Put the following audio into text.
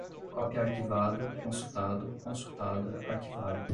Cópia arquivada, consultado, consultada, arquivado